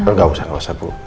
nggak usah nggak usah bu